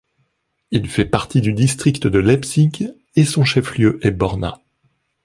Il fait partie du district de Leipzig et son chef-lieu est Borna.